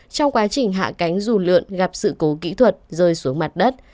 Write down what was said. trong quá trình hạ cánh dù lượn gặp sự cố kỹ thuật rơi xuống mặt đất